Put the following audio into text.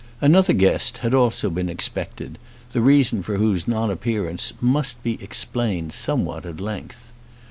Another guest had also been expected, the reason for whose non appearance must be explained somewhat at length.